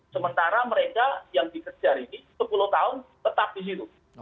sementara mereka yang dikejar ini sepuluh tahun tetap di situ